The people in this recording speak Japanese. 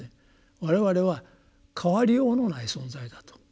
我々は変わりようのない存在だと。